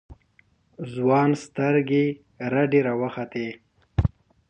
ځوان سترگې رډې راوختې.